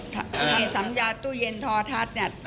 ถ้าสัญญาตู้เย็นทอทัศน์เนี่ย